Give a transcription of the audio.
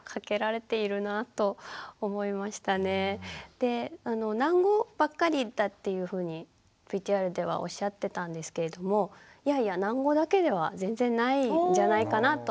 で喃語ばっかりだっていうふうにＶＴＲではおっしゃってたんですけれどもいやいや喃語だけでは全然ないんじゃないかなと見てて思ったんですよね。